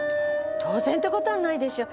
当然って事はないでしょ。